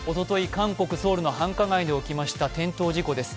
韓国ソウルの繁華街で起きました転倒事故です。